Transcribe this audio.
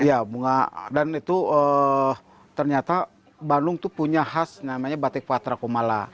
iya bunga dan itu ternyata bandung itu punya khas namanya batik patra kumala